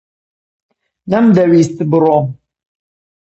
نەمدەویست بڕۆم.